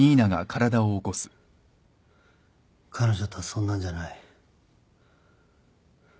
彼女とはそんなんじゃない。